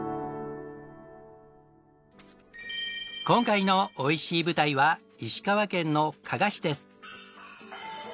今回のおいしい舞台は石川県の加賀市です。